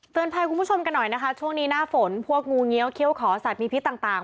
พายคุณผู้ชมกันหน่อยนะคะช่วงนี้หน้าฝนพวกงูเงี้ยวเขี้ยวขอสัตว์มีพิษต่าง